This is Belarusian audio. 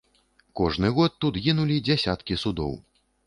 Кожны год тут гінулі дзясяткі судоў.